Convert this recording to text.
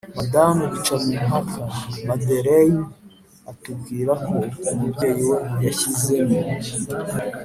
madame bicamumpaka madeleine atubwirako umubyeyi we yashyizemo